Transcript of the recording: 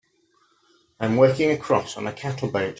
I'm working across on a cattle boat.